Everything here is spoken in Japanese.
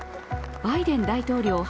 バイデン大統領